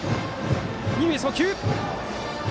二塁へ送球！